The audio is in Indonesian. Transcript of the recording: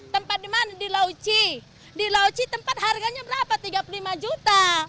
tempat di mana di lauci di lauci tempat harganya berapa tiga puluh lima juta